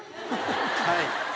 はい。